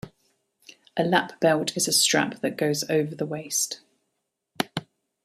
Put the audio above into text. A lap belt is a strap that goes over the waist.